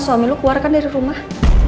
lo sama suami lo keluar kan dari rumah